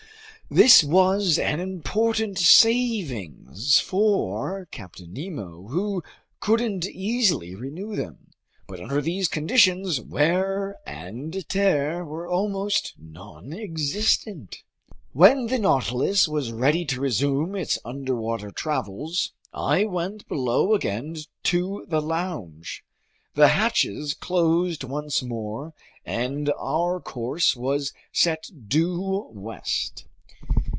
This was an important savings for Captain Nemo, who couldn't easily renew them. But under these conditions, wear and tear were almost nonexistent. When the Nautilus was ready to resume its underwater travels, I went below again to the lounge. The hatches closed once more, and our course was set due west.